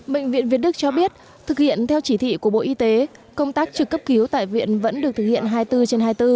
bệnh viện việt đức cho biết thực hiện theo chỉ thị của bộ y tế công tác trực cấp cứu tại viện vẫn được thực hiện hai mươi bốn trên hai mươi bốn